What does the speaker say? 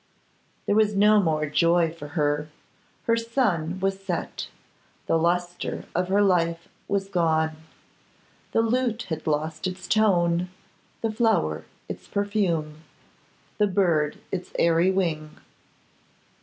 There was no more joy for her; her sun was set, the lustre of her life was gone; the lute had lost its tone, the flower its perfume, the bird its airy wing.